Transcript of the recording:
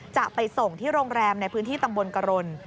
จะไปส่งที่โรงแรมในพื้นที่ตำบลกรณ